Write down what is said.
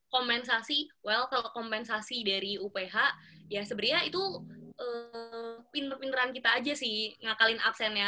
kompensasi well kalau kompensasi dari uph ya sebenarnya itu pinter pinteran kita aja sih ngakalin absennya